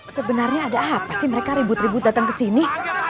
sebenarnya ada apa sih mereka ribut ribut datang kesini